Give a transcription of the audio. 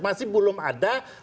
masih belum ada keputusan